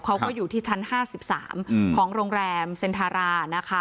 เขาก็อยู่ที่ชั้น๕๓ของโรงแรมเซ็นทารานะคะ